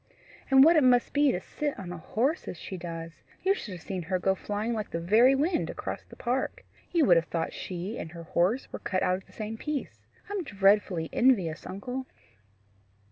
And what it must be to sit on a horse as she does! You should have seen her go flying like the very wind across the park! You would have thought she and her horse were cut out of the same piece. I'm dreadfully envious, uncle."